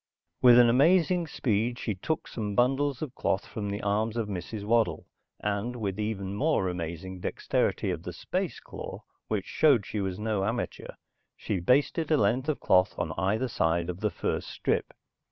With an amazing speed, she took some bundles of cloth from the arms of Mrs. Waddle, and with even more amazing dexterity of the space claw, which showed she was no amateur, she basted a length of cloth on either side of the first strip.